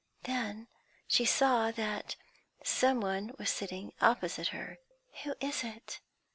Then she saw that some one was sitting opposite her. "Who is it?"